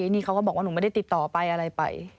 นี่เขาก็บอกว่าหนูไม่ได้ติดต่อไปอะไรไป